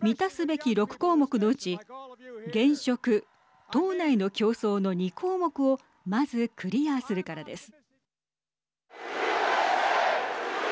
満たすべき６項目のうち現職、党内の競争の２項目をまずクリアするからです。